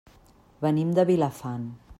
Venim de Vilafant.